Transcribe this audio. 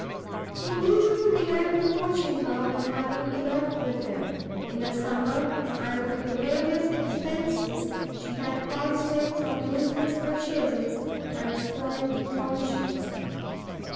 He immediately began reproaching her with having eloped from him, in the summer, and with the various expences she had caused him from useless purchases and spoilt provisions.